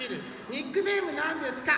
ニックネームなんですか？